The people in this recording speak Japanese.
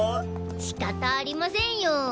仕方ありませんよ。